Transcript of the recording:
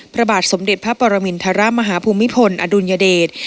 พระบาทสมเด็จพระปรมินทรมาฮภูมิพลอดุลยเดช